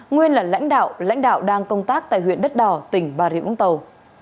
nguyên là lãnh đạo lãnh đạo đang công tác tại huyện đất đỏ tỉnh bà rịa vũng tàu